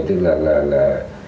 tức là là